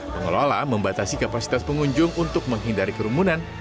pengelola membatasi kapasitas pengunjung untuk menghindari kerumunan